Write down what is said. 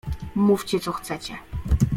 "Mówcie, co chcecie."